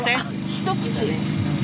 一口！